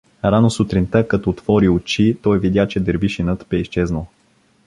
Рано сутринта, като отвори очи, той видя, че дервишинът бе изчезнал.